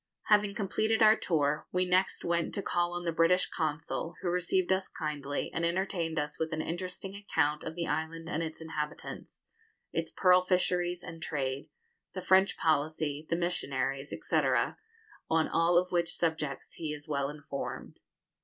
Having completed our tour, we next went to call on the British Consul, who received us kindly, and entertained us with an interesting account of the island and its inhabitants, its pearl fisheries and trade, the French policy, the missionaries, &c., on all of which subjects he is well informed.